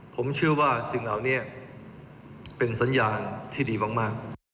ผมเชื่อว่าสิ่งเหล่านี้เป็นสัญญาณที่ดีมาก